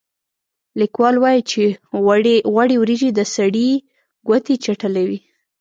لیکوال وايي چې غوړې وریجې د سړي ګوتې چټلوي.